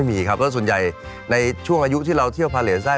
มีครับแล้วส่วนใหญ่ในช่วงอายุที่เราเที่ยวพาเลสได้